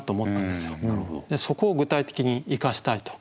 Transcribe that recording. そこを具体的に生かしたいと。